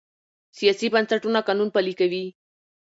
سیاسي بنسټونه قانون پلي کوي